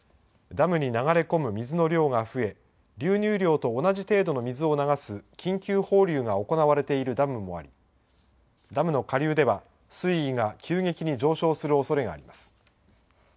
ダムに流れ込む水の量が増え、流入量と同じ程度の水を流す緊急放流が行われているダムもあり、ダムの下流では、水位が急激に上昇するおそれがあります。